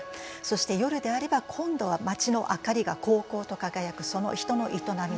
そして夜であれば今度は街の明かりがこうこうと輝くその人の営みの力強さ。